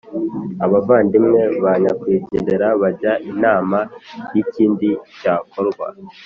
abavandimwe ba nyakwigendera bajya inama y’ikindi cyakorwa.